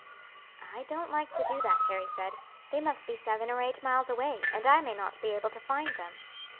"I don't like to do that," Harry said. "They must be seven or eight miles away, and I may not be able to find them.